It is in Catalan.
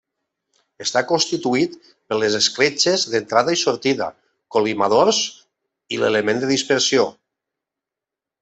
Està constituït per les escletxes d'entrada i sortida, col·limadors i l'element de dispersió.